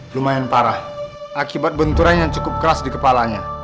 lumayan parah akibat benturan yang cukup keras di kepalanya